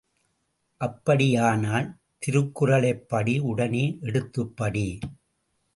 அப்படியானால், திருக்குறளைப் படி உடனே எடுத்துப் படி!